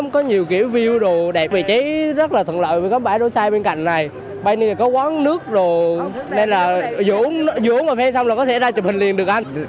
còn lại có bãi đô sai bên cạnh này bãi đô này có quán nước rồi nên là dũ uống rồi phê xong là có thể ra chụp hình liền được anh